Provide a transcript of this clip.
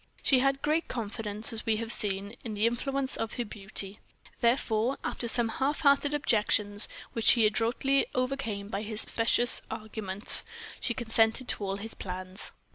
She had great confidence, as we have seen, in the influence of her beauty. Therefore, after some half hearted objections, which he adroitly overcame by his specious arguments, she consented to all his plans.